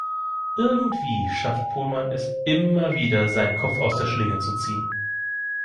Irgendwie schafft Pohlmann es immer wieder, seinen Kopf aus der Schlinge zu ziehen.